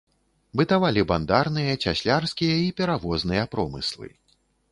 Бытавалі бандарныя, цяслярскія і перавозныя промыслы.